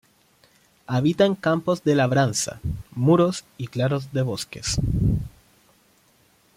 Habita en campos de labranza, muros y claros de bosques.